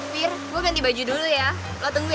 peer gue ganti baju dulu ya lo tunggu ya